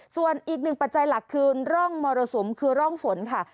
ส่วนอีกหนึ่งปัจจัยหลักคือร่องมรสุมคือร่องฝนค่ะ